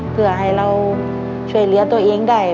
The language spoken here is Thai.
เพื่อให้เราช่วยเหลือตัวเองได้